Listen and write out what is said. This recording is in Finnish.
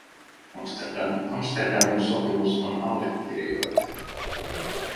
Amsterdamin sopimus on allekirjoitettu.